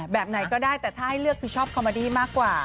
แบบไหนก็ได้แต่ถ้าให้เลือกคือชอบคอมเมอดี้มากกว่า